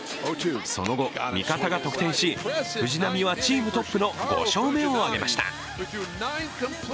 その後、見方が得点し藤浪はチームトップの５勝目を挙げました。